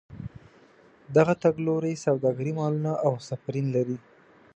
دغه تګ لوري سوداګرۍ مالونه او مسافرین لري.